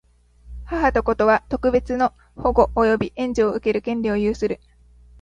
母と子とは、特別の保護及び援助を受ける権利を有する。